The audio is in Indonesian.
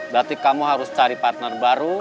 berarti kamu harus cari partner baru